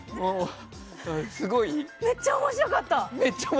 めっちゃ面白かった！